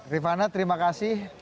rifana terima kasih